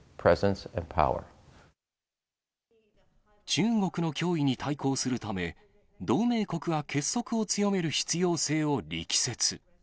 中国の脅威に対抗するため、同盟国が結束を強める必要性を力説。